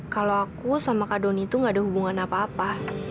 kalau aku sama kak doni itu gak ada hubungan apa apa